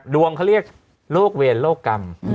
ดวงเขาเรียกโรคเวรโลกกรรม